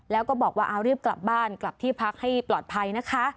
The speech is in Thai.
แล้วก็บอกว่าเอารีบกลับบ้านกลับที่พักให้ปลอดภัยนะคะ